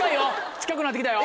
近くなって来たよ。